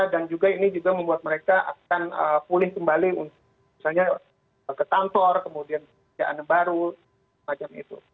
dan juga ini juga membuat mereka akan pulih kembali misalnya ke tantor kemudian kebijakan baru semacam itu